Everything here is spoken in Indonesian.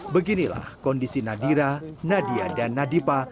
beginilah kondisi nadira nadia dan nadipa